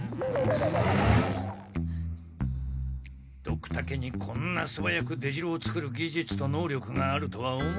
ドクタケにこんなすばやく出城をつくる技術と能力があるとは思えん。